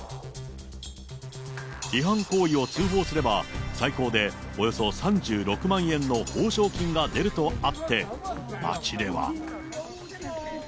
違反行為を通報すれば、最高でおよそ３６万円の報奨金が出るとあって、街では。